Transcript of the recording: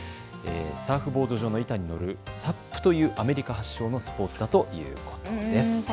サーフボード状の板に乗り、ＳＵＰというアメリカ発祥のスポーツだということです。